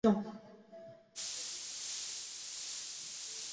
网格卷管螺为卷管螺科粗切嘴螺属下的一个种。